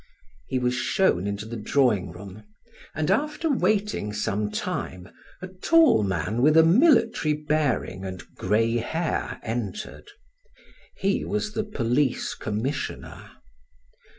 He was shown into the drawing room, and after waiting some time, a tall man with a military bearing and gray hair entered. He was the police commissioner.